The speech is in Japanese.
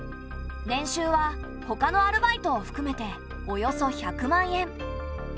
年収はほかのアルバイトをふくめておよそ１００万円。